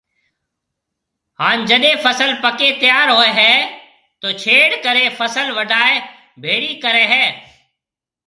ھاڻ جڏي فصل پڪيَ تيار ھوئيَ ھيََََ تو ڇيڙ ڪرَي فصل وڊائيَ ڀيڙِي ڪرَي ھيََََ